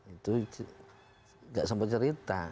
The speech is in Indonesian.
itu nggak sempet cerita